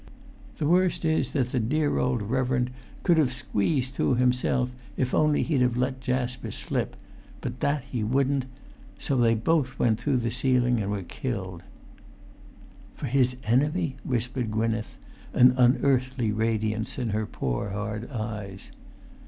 The worst is that the dear old reverend could've squeezed through himself if only he'd have let Jasper slip; but that he wouldn't; so they both went through with the ceiling and were killed." "For his enemy!" whispered Gwynneth, an unearthly radiance in her poor hard eyes.